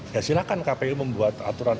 ya silahkan kpu membuat aturan